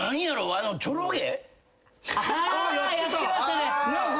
あのチョロ毛。